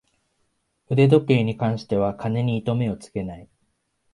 腕時計に関しては金に糸目をつけない